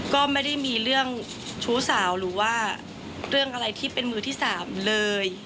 ก็ไม่ได้มีเรื่องชู้สาวหรือว่าเรื่องอะไรที่เป็นมือที่สามเลย